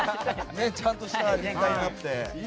ちゃんとしたものになって。